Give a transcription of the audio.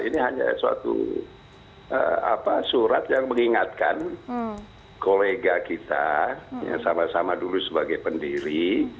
ini hanya suatu surat yang mengingatkan kolega kita yang sama sama dulu sebagai pendiri